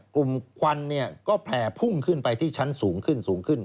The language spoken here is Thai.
กลุ่มควันก็แผลพุ่งขึ้นไปที่ชั้นสูงขึ้น